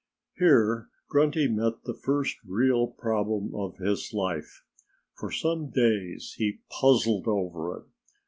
Here Grunty met the first real problem of his life. For some days he puzzled over it.